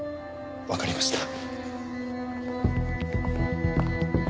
わかりました。